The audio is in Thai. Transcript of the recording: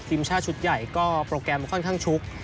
ทีมชาติชุดใหญ่ก็โปรแกรมค่อนข้างชุก